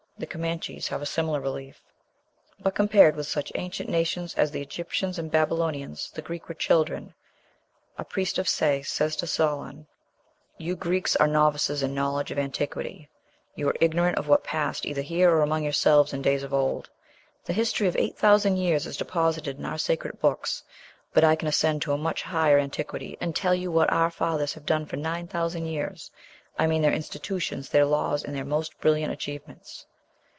The Comanches have a similar belief. But, compared with such ancient nations as the Egyptians and Babylonians, the Greeks were children. A priest of Sais said to Solon, "You Greeks are novices in knowledge of antiquity. You are ignorant of what passed either here or among yourselves in days of old. The history of eight thousand years is deposited in our sacred books; but I can ascend to a much higher antiquity, and tell you what our fathers have done for nine thousand years; I mean their institutions, their laws, and their most brilliant achievements."